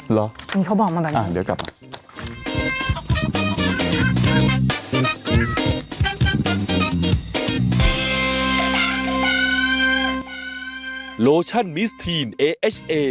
เหรอเหมือนเขาบอกมาแบบนี้อ่ะเดี๋ยวกลับมา